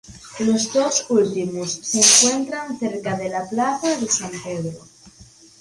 Los dos últimos se encuentran cerca de la Plaza de San Pedro.